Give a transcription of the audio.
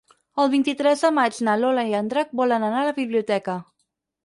El vint-i-tres de maig na Lola i en Drac volen anar a la biblioteca.